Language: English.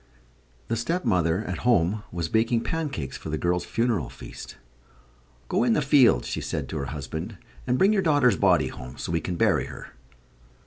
The stepmother, at home, was baking pancakes for the girl's funeral feast. "Go in the field," she said to her husband, "and bring your daughter's body home, so we can bury her."